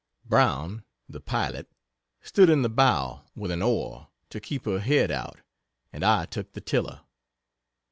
Brown, the pilot, stood in the bow, with an oar, to keep her head out, and I took the tiller.